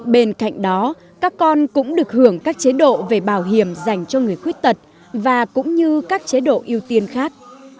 bên cạnh đó các con cũng được hưởng các chế độ về bảo hiểm dành cho người khuyết tật và cũng như các chế độ ưu tiên khác